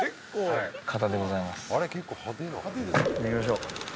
いきましょう。